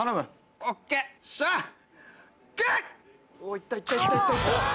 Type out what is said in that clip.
いったいったいったいった。